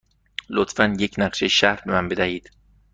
لطفاً یک نقشه شهر به من بدهید.